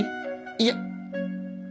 いや。